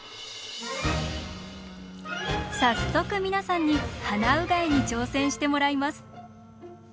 早速皆さんに鼻うがいに挑戦してもらいます。